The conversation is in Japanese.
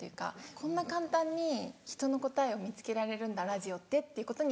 こんな簡単に人の答えを見つけられるんだラジオってっていうことに。